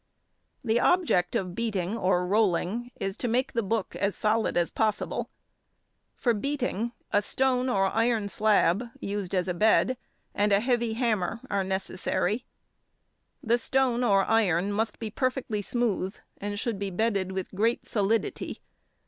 The object of beating or rolling is to make the book as solid as possible. For beating, a stone or iron slab, used as a bed, and a heavy hammer, are necessary. The stone or iron must be perfectly smooth, and should be bedded with great solidity.